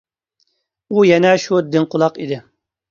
ئۇ يەنە شۇ دىڭ قۇلاق ئىدى.